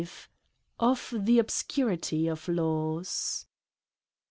V Of the Obscurity of Laws.